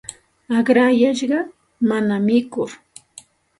Aqrayashqa mana mikur.